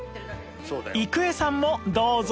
郁恵さんもどうぞ